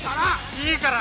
いいから。